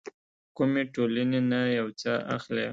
کومې ټولنې نه يو څه اخلي.